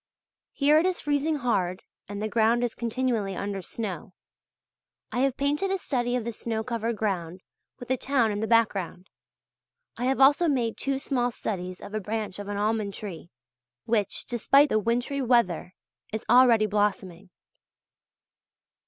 Here it is freezing hard and the ground is continually under snow. I have painted a study of the snow covered ground with the town in the background. I have also made two small studies of a branch of an almond tree, which, despite the wintry weather, is already blossoming.